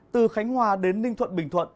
từ khánh hòa đến ninh thuận bình thuận